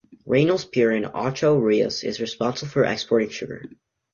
Reynolds Pier in Ocho Rios is responsible for exporting sugar.